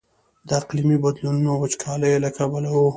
د اقلیمي بدلونونو او وچکاليو له کبله و.